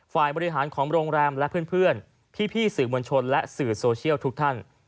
ฝ่ายบริหารของโรงแรมและเพื่อนพี่สื่อมวลชนและสื่อโซเชียลทุกท่าน